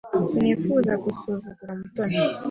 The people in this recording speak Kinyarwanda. Sinifuzaga gusuzugura Mutoni.